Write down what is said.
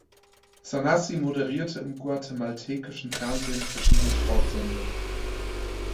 Zanassi moderierte im guatemaltekischen Fernsehen verschiedene Sportsendungen.